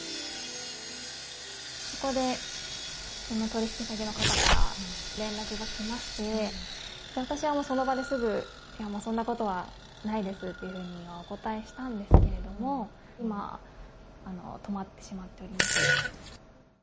そこでその取り引き先の方から連絡が来まして、私はもうその場ですぐ、いやもう、そんなことはないですというふうにはお答えはしたんですけれども、今、止まってしまっております。